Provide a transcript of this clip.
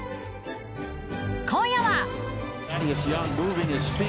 今夜は。